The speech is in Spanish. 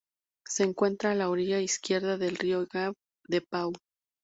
Se encuentra a la orilla izquierda del río Gave de Pau.